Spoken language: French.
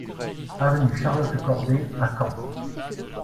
Avenue Charlotte Corday à Caen